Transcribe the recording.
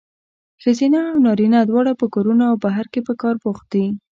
ښځینه او نارینه دواړه په کورونو او بهر کې په کار بوخت دي.